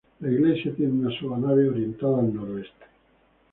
La iglesia tiene una sola nave, orientada al noroeste.